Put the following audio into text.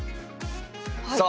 さあ